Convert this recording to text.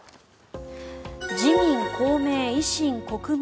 自民・公明・維新・国民